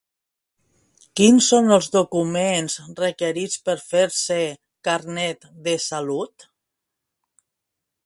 Quins són els documents requerits per fer-se Carnet de salut?